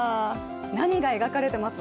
何が描かれてます？